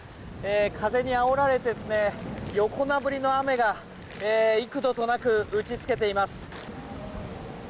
風にあおられて横殴りの雨が幾度となく打ち付けています。